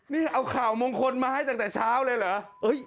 นี่เอาข่าวมงคลมาให้ตั้งแต่เช้าเลยเหรอ